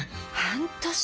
半年？